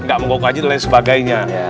gak mogok haji dan lain sebagainya